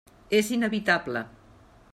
És inevitable.